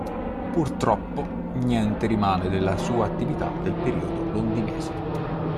Purtroppo niente rimane della sua attività del periodo londinese.